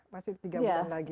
masih tiga bulan lagi